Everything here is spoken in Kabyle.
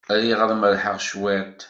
Riɣ ad merrḥeɣ cwiṭ.